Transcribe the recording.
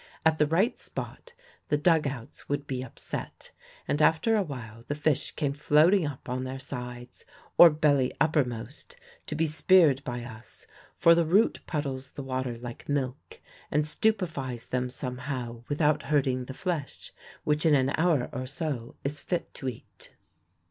At the right spot the dug outs would be upset, and after a while the fish came floating up on their sides, or belly uppermost, to be speared by us; for the root puddles the water like milk, and stupefies them somehow without hurting the flesh, which in an hour or so is fit to eat.